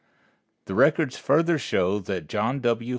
The records further show that John W.